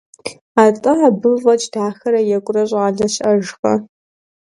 Атӏэ абы фӏэкӏ дахэрэ екӏурэ щӏалэ щыӏэжкъэ?